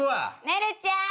ねるちゃーん。